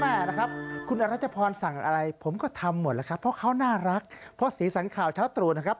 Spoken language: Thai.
นะครับคุณอรัชพรสั่งอะไรผมก็ทำหมดแล้วครับเพราะเขาน่ารักเพราะสีสันข่าวเช้าตรู่นะครับ